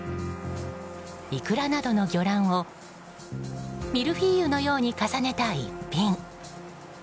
イクラなどの魚卵をミルフィーユのように重ねた逸品。